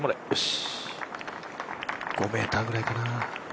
５ｍぐらいかな。